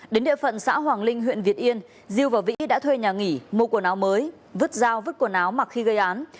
đến địa phận xã hoàng linh huyện việt yên diêu và vĩ đã thuê nhà nghỉ mua quần áo mới vứt dao vứt quần áo mặc khi gây án